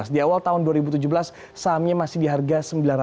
di awal tahun dua ribu tujuh belas sahamnya masih di harga sembilan ratus